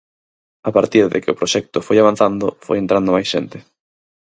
A partir de que o proxecto foi avanzando, foi entrando máis xente.